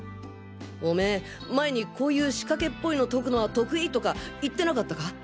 オメー前にこういう仕掛けっぽいの解くのは得意とか言ってなかったか？